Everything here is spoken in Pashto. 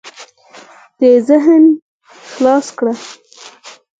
دې ذهن خلاص کړه.